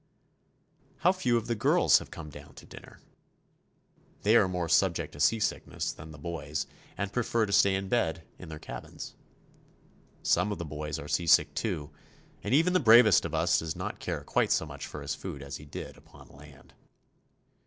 How few of the girls have come down to dinner ! They are more subject to seasickness than the boys, and prefer to stay in bed in their cabins. Some of the boys are sea sick too, and even the bravest of us does not care quite so much for his food as he did upon land.